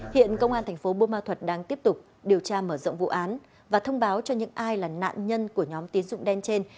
hiện công an thành phố bô ma thuật đang tiếp tục điều tra mở rộng vụ án và thông báo cho những ai là nạn nhân của nhóm tiến dụng đen trên